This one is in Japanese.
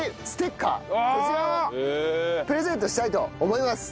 こちらをプレゼントしたいと思います。